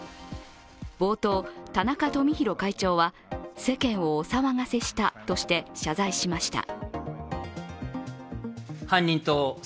冒頭、田中富広会長は世間をお騒がせしたとして謝罪しました。